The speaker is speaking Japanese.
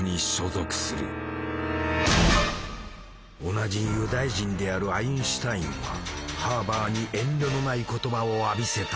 同じユダヤ人であるアインシュタインはハーバーに遠慮のない言葉を浴びせた。